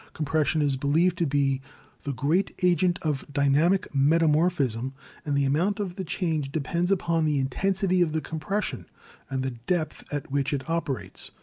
Compression is believed to be the great agent of dynamic metamorphism, and the amount of the change depends upon the intensity of the compression and the depth at which it operates.